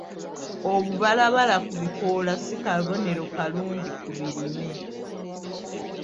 Obubalabala ku bikoola si kabonero kalungi ku birime.